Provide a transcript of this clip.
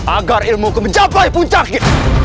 agar ilmu ku mencapai puncaknya